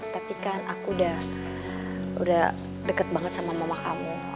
tapi kan aku udah deket banget sama mama kamu